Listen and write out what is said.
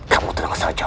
kamu tenang saja